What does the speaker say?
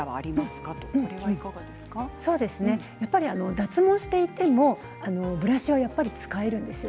脱毛していてもブラシは使えるんです。